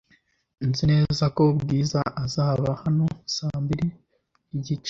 Nzi neza ko Bwiza azaba hano saa mbiri n'igice .